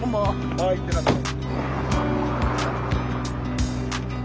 はいいってらっしゃい。